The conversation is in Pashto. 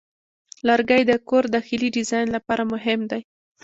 لرګی د کور داخلي ډیزاین لپاره مهم دی.